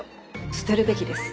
捨てるべきです